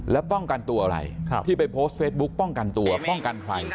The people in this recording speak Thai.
แล้วป้องกันตัวอะไรที่ไปโพสต์เฟซบุ๊กป้องกันตัวป้องกันใคร